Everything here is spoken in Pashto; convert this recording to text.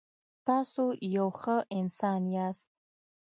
تاسو یو ښه انسان یاست.